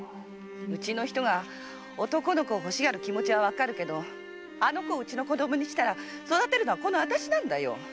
うちの人が男の子を欲しがる気持ちはわかるけどうちの子供にしたら育てるのはこの私なんだよ！